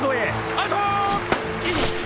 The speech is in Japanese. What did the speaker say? ・アウト！